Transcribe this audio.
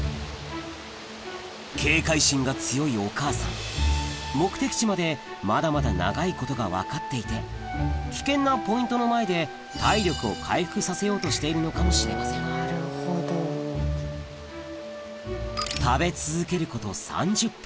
警戒心が強いお母さん目的地までまだまだ長いことが分かっていて危険なポイントの前で体力を回復させようとしているのかもしれません食べ続けること３０分